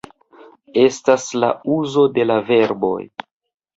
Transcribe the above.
Estas la uzo de la verboj